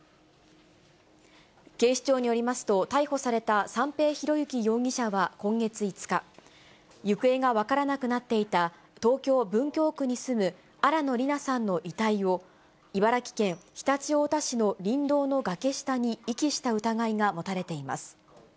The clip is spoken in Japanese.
警視庁によりますと、逮捕された三瓶博幸容疑者は今月５日、行方が分からなくなっていた東京・文京区に住む新野りなさんの遺体を、茨城県常陸太田市の林道の崖下に遺棄した疑いが持たれています。